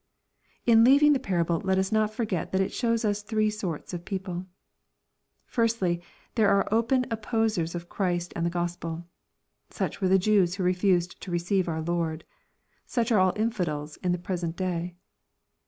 In leaving the parable, let us not forget that it shows us three sorts of people. Firstly, there are open opposers of Christ and the QospeL Such were the Jews who refused to receive our Lord. Such are fill infidels in the present day.